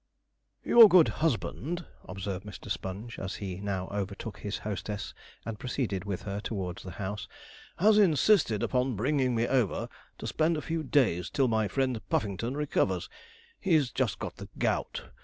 'Your good husband,' observed Mr. Sponge as he now overtook his hostess and proceeded with her towards the house, 'has insisted upon bringing me over to spend a few days till my friend Puffington recovers. He's just got the gout.